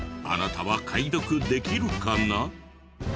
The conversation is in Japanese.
あなたは解読できるかな？